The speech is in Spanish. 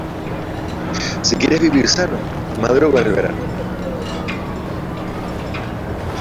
Si quieres vivir sano, madruga en el verano.